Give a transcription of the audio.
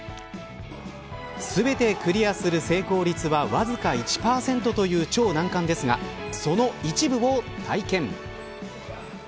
全てクリアする成功率はわずか１％という超難関ですが、その一部を体験。